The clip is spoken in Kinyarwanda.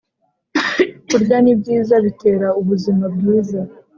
Kurya nibyiza bitera ubuzima bwiza